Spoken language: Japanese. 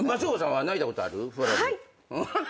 はい！